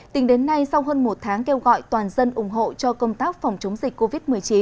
tính đến nay sau hơn một tháng kêu gọi toàn dân ủng hộ cho công tác phòng chống dịch covid một mươi chín